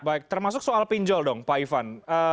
baik termasuk soal pinjol dong pak ivan